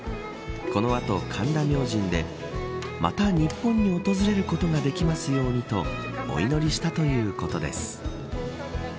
この後、神田明神でまた日本に訪れることができますようにとお祈りしたということです。